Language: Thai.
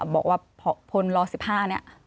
บอกว่าพลล๑๕เนี่ย